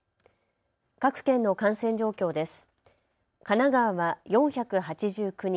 各県の感染状況です。